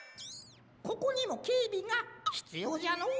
ここにもけいびがひつようじゃのう。